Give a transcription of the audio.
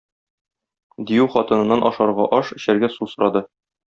Дию хатыныннан ашарга аш, эчәргә су сорады.